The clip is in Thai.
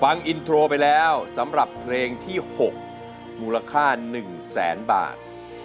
ฟังอินโทรไปแล้วสำหรับเพลงที่๖มูลค่า๑แสนบาท